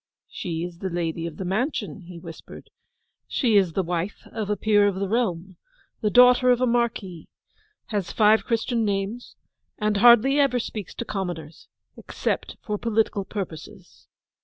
'She is the lady of the mansion,' he whispered. 'She is the wife of a peer of the realm, the daughter of a marquis, has five Christian names; and hardly ever speaks to commoners, except for political purposes.